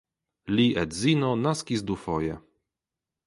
Li edzino naskis dufoje.